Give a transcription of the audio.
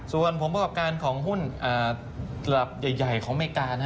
ส่วนผลประกอบการของหุ้นระดับใหญ่ของอเมริกา